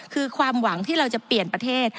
คือความหวังที่เราจะเปลี่ยนประเทศ